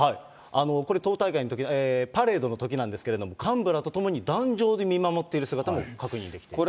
これ党大会のとき、パレードのときなんですけど、幹部らと共に壇上で見守っている姿も確認できている。